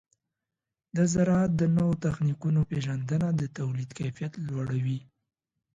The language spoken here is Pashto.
د زراعت د نوو تخنیکونو پیژندنه د تولید کیفیت لوړوي.